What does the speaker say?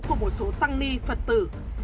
của một số tăng ni phật tử